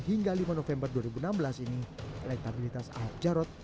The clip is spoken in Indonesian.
ini yang penting ya